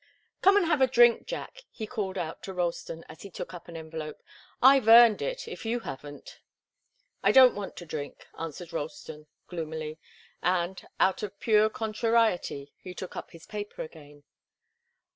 "Come and have a drink, Jack!" he called out to Ralston, as he took up an envelope. "I've earned it, if you haven't." "I don't want to drink," answered Ralston, gloomily, and, out of pure contrariety, he took up his paper again.